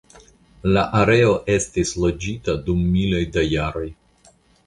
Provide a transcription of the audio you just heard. La areo estis loĝita dum miloj da jaroj.